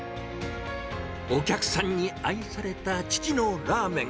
お客さんに愛された父のラーメン。